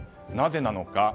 なぜなのか。